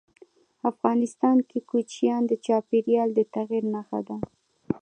افغانستان کې کوچیان د چاپېریال د تغیر نښه ده.